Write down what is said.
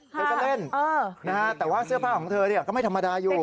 เธอก็เล่นแต่ว่าเสื้อผ้าของเธอก็ไม่ธรรมดาอยู่